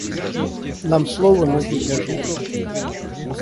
Нам слово нужно для жизни.